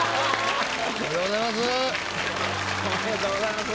おめでとうございます。